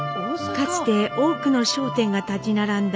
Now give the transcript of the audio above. かつて多くの商店が立ち並んだ